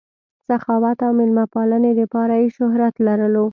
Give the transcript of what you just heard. سخاوت او مېلمه پالنې دپاره ئې شهرت لرلو